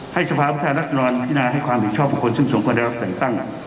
ให้สภาพุทธรรมรัฐบรรณพินาให้ความผิดชอบบุคคลซึ่งสมควรได้รับแต่งตั้ง